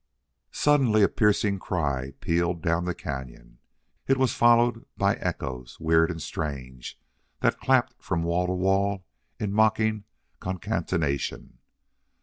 Suddenly a piercing cry pealed down the cañon. It was followed by echoes, weird and strange, that clapped from wall to wall in mocking concatenation.